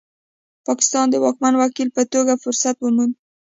پاکستان د واکمن وکیل په توګه فرصت وموند.